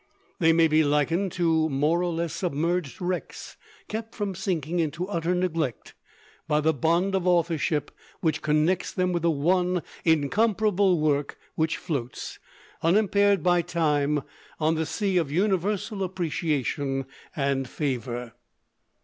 They may be likened to more or less submerged wrecks kept from sinking into utter neglect by the bond of authorship which connects them with the one incomparable work which floats, unimpaired by time, on the sea of universal appreciation and favor.